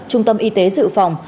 trung tâm y tế dự phòng